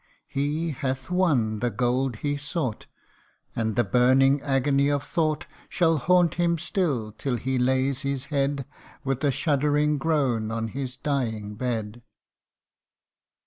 he hath won the gold he sought ; And the burning agony of thought Shall haunt him still, till he lays his head With a shuddering groan on his dying bed